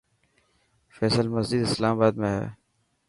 فيصل مسجد اسلام آباد ۾ هي.